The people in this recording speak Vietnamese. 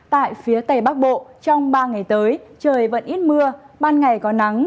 tại phía tây bắc bộ trong ba ngày tới trời vẫn ít mưa ban ngày có nắng